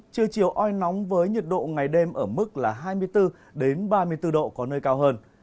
trưa chiều oi nóng với nhiệt độ ngày đêm ở mức là hai mươi bốn ba mươi bốn độ có nơi cao hơn